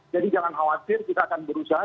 jadi jangan khawatir kita akan berusaha